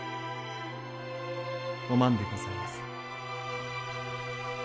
お万でございます。